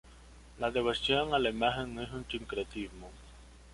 La devoción a la imagen es un sincretismo.